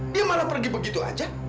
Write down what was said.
dia malah pergi begitu saja